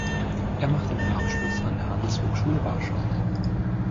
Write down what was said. Er machte einen Abschluss an der Handelshochschule Warschau.